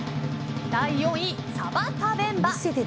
第４位、サバタベンバ。